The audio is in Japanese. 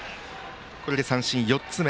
これで三振、４つ目。